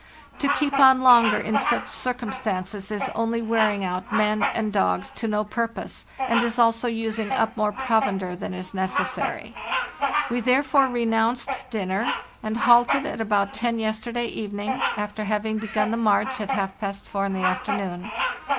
To keep on longer in such circumstances is only wear ing out men and dogs to no purpose, and is also using up more provender than is necessary. We therefore re nounced dinner, and halted at about ten yesterday even ing, after having begun the march at half past four in the afternoon.